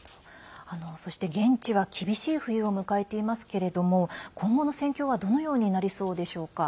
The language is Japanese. そして、現地は厳しい冬を迎えていますけれども今後の戦況はどのようになりそうでしょうか？